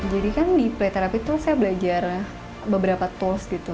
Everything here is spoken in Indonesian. jadi kan di play therapy tuh saya belajar beberapa tools gitu